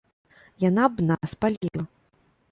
Яна б нас спаліла.